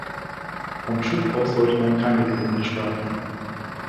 Vom Schiff aus sollte man keine Drohne starten.